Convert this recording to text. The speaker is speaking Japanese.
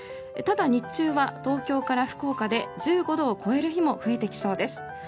ただ、日中は東京から福岡で１５度を超える日も増えてきそうです。